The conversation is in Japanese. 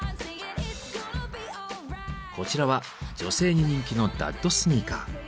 こちらは女性に人気の「ダッドスニーカー」。